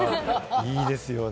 いいですよね。